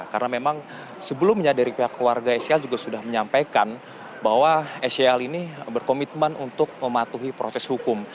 karena memang sebelumnya dari pihak keluarga scl juga sudah menyampaikan bahwa scl ini berkomitmen untuk mematuhi proses hukum